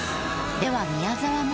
では宮沢も。